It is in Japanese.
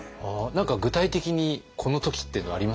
何か具体的にこの時っていうのあります？